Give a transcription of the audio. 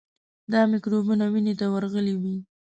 دا میکروبونه وینې ته ورغلي وي.